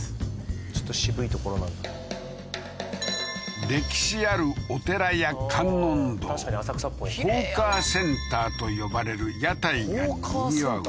ちょっと渋い所なんだ歴史ある確かに浅草っぽいねホーカーセンターと呼ばれる屋台がにぎわう